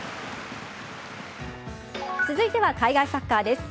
続いては海外サッカーです。